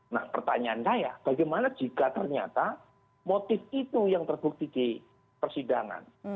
nah pertanyaan saya bagaimana jika ternyata motif itu yang terbukti di persidangan